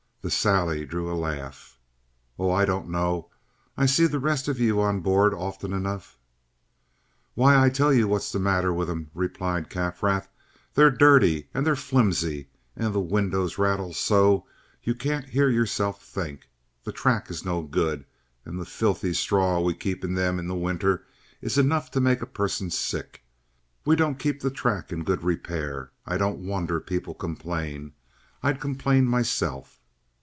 The sally drew a laugh. "Oh, I don't know. I see the rest of you on board often enough." "Why, I tell you what's the matter with them," replied Kaffrath. "They're dirty, and they're flimsy, and the windows rattle so you can't hear yourself think. The track is no good, and the filthy straw we keep in them in winter is enough to make a person sick. We don't keep the track in good repair. I don't wonder people complain. I'd complain myself."